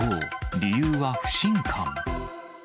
理由は不信感。